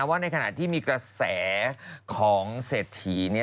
ว่าในขณะที่มีกระแสของเศรษฐี